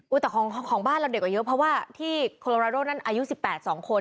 แต่ของบ้านเราเด็กกว่าเยอะเพราะว่าที่โคโรนาโดนั้นอายุ๑๘๒คน